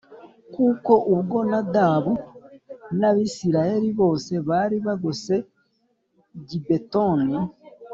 kuko ubwo Nadabu n’Abisirayeli bose bari bagose i Gibetoni